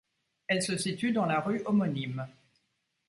Elle se situe dans la rue homonyme.